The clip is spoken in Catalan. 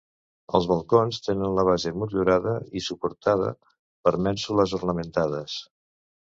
Els balcons tenen la base motllurada i suportada per mènsules ornamentades.